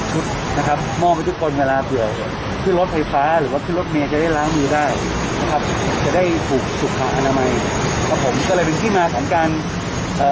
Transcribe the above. ๓๐ชุดนะครับมอบให้ทุกคน๑๙๙๕เดือลินทรัพย์พยาบาลหรือว่าที่รถเมอ